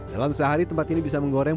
dalam sehari tempat ini bisa menggoreng